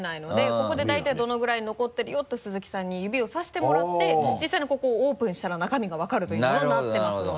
ここで大体どのぐらい残ってるよって鈴木さんに指を差してもらって実際にここをオープンしたら中身が分かるというものになっていますので。